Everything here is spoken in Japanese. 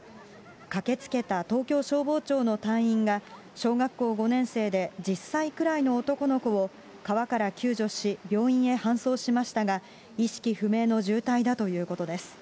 駆けつけた東京消防庁の隊員が、小学校５年生で１０歳くらいの男の子を、川から救助し、病院へ搬送しましたが、意識不明の重体だということです。